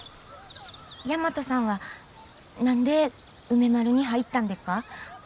大和さんは何で梅丸に入ったんでっか？